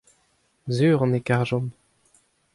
sur on e karjomp.